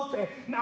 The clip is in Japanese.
何？